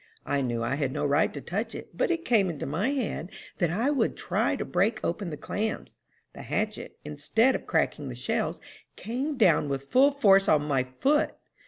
I knew I had no right to touch it, but it came into my head that I would try to break open the clams. The hatchet, instead of cracking the shells, came down with full force on my foot!